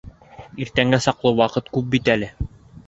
Иртәнгә саҡлы ваҡыт күп бит әле.